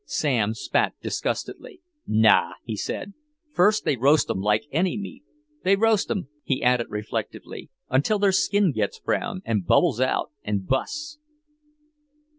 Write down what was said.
Sam spat disgustedly. "Naw," he said. "First they roast 'em like any meat. They roast 'em," he added reflectively, "until their skin gets brown and bubbles out and busts."